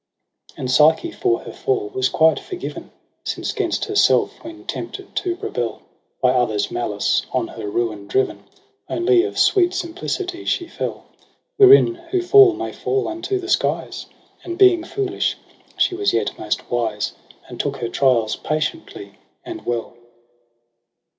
And Psyche for her fall was quite forgiven. Since 'gainst herself when tempted to rebel. By others' malice on her ruin driven. Only of sweet simplicity she fell :— Wherein who fall may fall unto the skies j — And being foolish she was yet most wise. And took her trials patiently and well.